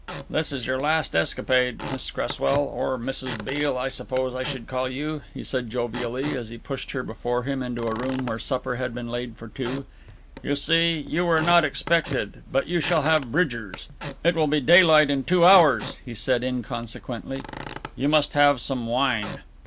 "This is your last escapade, Miss Cresswell, or Mrs. Beale I suppose I should call you," he said jovially, as he pushed her before him into a room where supper had been laid for two. "You see, you were not expected, but you shall have Bridgers'. It will be daylight in two hours," he said inconsequently, "you must have some wine."